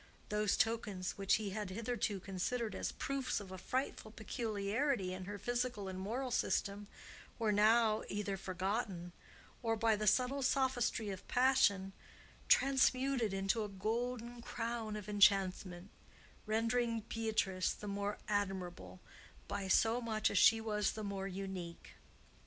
Those tokens which he had hitherto considered as proofs of a frightful peculiarity in her physical and moral system were now either forgotten, or, by the subtle sophistry of passion transmitted into a golden crown of enchantment, rendering Beatrice the more admirable by so much as she was the more unique.